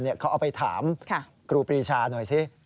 เขาเอาไปถามครูปรีชาหน่อยสิ